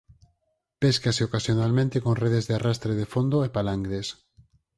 Péscase ocasionalmente con redes de arrastre de fondo e palangres.